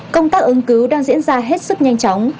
công tác ứng cứu đang diễn ra hết sức nhanh chóng